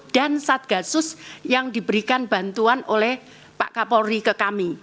dan satgasus yang diberikan bantuan oleh pak kapolri ke kami